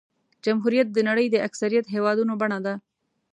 جمهوریت د نړۍ د اکثریت هېوادونو بڼه ده.